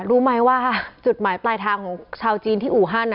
รู้ไหมว่าจุดหมายปลายทางของชาวจีนที่อู่ฮัน